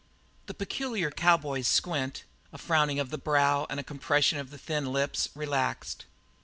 The peculiar cowboy's squint a frowning of the brow and a compression of the thin lips relaxed.